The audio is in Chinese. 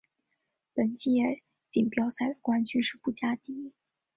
本届锦标赛的冠军是布加迪。